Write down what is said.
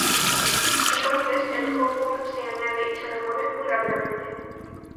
Entonces, el "ho fun" se añade y se remueve muy rápidamente.